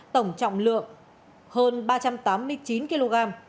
tổng trọng lượng hơn ba trăm tám mươi chín kg